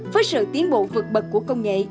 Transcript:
với sự tiến bộ vượt bật của công nghệ